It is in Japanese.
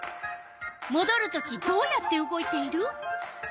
もどるときどうやって動いている？